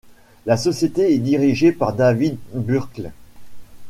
La société est dirigée par David Burckle.